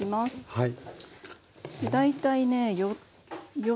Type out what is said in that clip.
はい。